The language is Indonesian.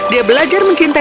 dia belajar menyerah